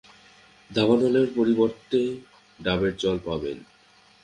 দাবানলের পরিবর্তে ডাবের জল পাবেন।